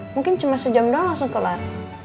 mungkin cuma sejam doang langsung kelar